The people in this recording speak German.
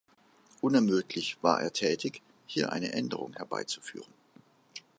Unermüdlich war er tätig, hier eine Änderung herbeizuführen.